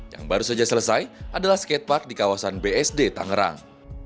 yang baru saja selesai adalah skatepark di kawasan bsd tangerang